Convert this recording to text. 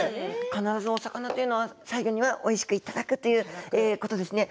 必ずお魚は最ギョにはおいしくいただくということです。